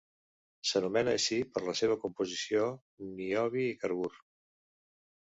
S'anomena així per la seva composició: niobi i carbur.